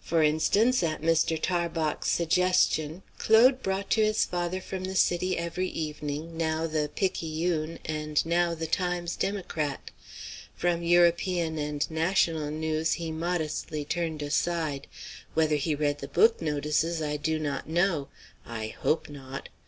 For instance; at Mr. Tarbox's suggestion Claude brought to his father from the city every evening, now the "Picayune" and now the "Times Democrat." From European and national news he modestly turned aside. Whether he read the book notices I do not know; I hope not.